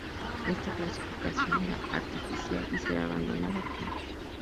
Esta clasificación era muy artificial y será abandonada pronto.